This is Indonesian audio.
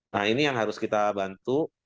nah ini yang harus kita bantu